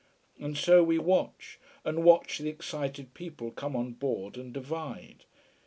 And so we watch and watch the excited people come on board and divide.